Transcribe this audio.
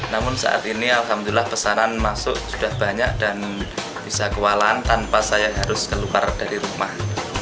namun saat ini alhamdulillah pesanan masuk sudah banyak dan bisa kewalahan tanpa saya harus keluar dari rumah